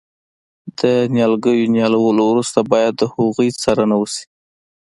د نیالګیو نیالولو وروسته باید د هغوی څارنه وشي.